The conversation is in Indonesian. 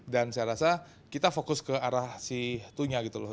saya rasa kita fokus ke arah si tunya gitu loh